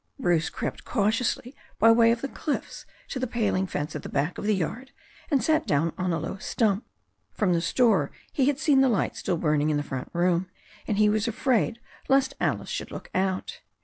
Bruce crept cautiously by way of the cliffs to the paling fence at the back of the yard, and sat down on a low stump. From the store Tie had seen the light still burning in the front room, and he was afraid lest Alice should look out.